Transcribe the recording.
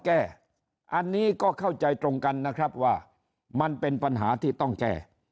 แก้อันนี้ก็เข้าใจตรงกันนะครับว่ามันเป็นปัญหาที่ต้องแก้